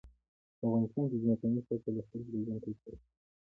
په افغانستان کې ځمکنی شکل د خلکو د ژوند کیفیت تاثیر کوي.